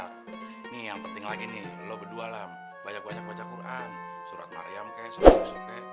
nih yang penting lagi nih lo berdua lah banyak banyak baca quran surat maryam ke